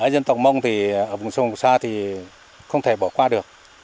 dân tộc mông thì ở vùng sông xa thì không thể bỏ qua được